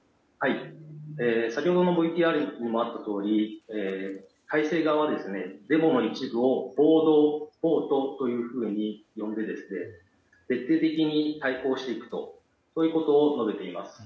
先ほどのＶＴＲにもあったとおり体制側は、デモの一部を暴動、暴徒というふうに呼んで徹底的に対抗していくということを述べています。